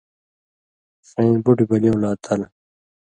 ݜیں بُٹیۡ بلیوں لا تَل،